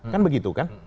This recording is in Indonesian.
kan begitu kan